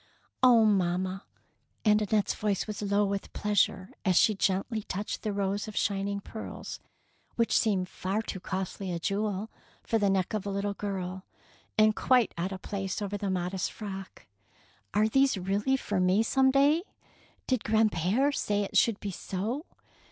'' Oh, mamma! " and Annette's voice was low with pleasure as she gently touched the rows of shining pearls which seemed far too costly a jewel for the neck of a little girl, and quite out of place over the modest frock. Are these really for me some day I Did grandpere say it should be so?"